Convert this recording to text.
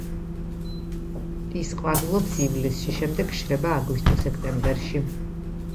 ის ყვავილობს ივლისში, შემდეგ შრება აგვისტო-სექტემბერში.